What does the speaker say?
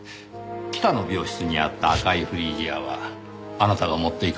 北の病室にあった赤いフリージアはあなたが持っていかれたものですか？